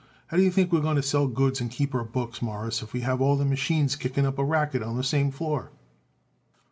How do you think we're going to sell goods and keep our books, Mawruss, if we have all them machines kicking up a racket on the same floor?"